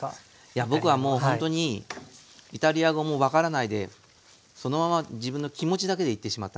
いや僕はもうほんとにイタリア語も分からないでそのまま自分の気持ちだけで行ってしまったので。